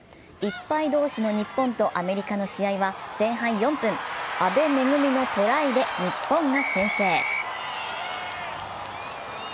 １敗同士の日本とアメリカの試合は前半４分、阿部恵のトライで日本が先制。